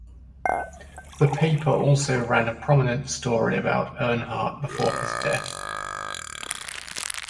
The paper also ran a prominent story about Earnhardt before his death.